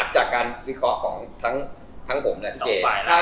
จากการวิเคราะห์ของทั้งผมและ